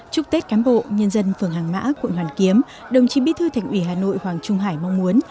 chúc tết cán bộ nhân dân phường hàng mã quận hoàn kiếm đồng chí bí thư thành ủy hà nội hoàng trung hải mong muốn